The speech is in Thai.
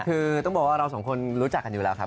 คือต้องบอกว่าเราสองคนรู้จักกันอยู่แล้วครับ